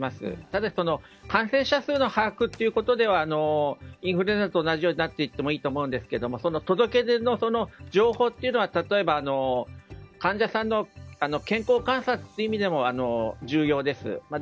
ただ、感染者数の把握ではインフルエンザと同じようになっていってもいいと思いますが届け出の情報というのは例えば、患者さんの健康観察という意味でも重要です。